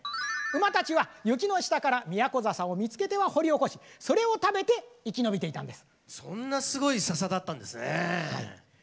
馬たちは雪の下からミヤコザサを見つけては掘り起こしそれを食べて生き延びていたんです。